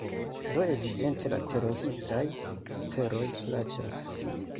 Do evidente la teroristaj celoj plaĉas.